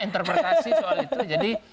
interpretasi soal itu jadi